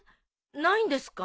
ないんですか？